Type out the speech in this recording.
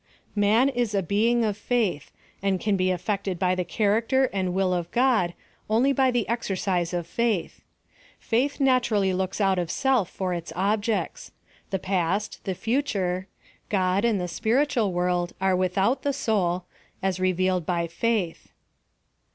Man is a being of Faith, and can be affected by the character and will of God only by the exercise of faith. Faith naturally looks out of self for its objects. The past — the future — God and the spiritual world are without the soul, as revealed by faith.